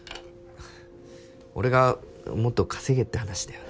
俺がもっと稼げって話だよね。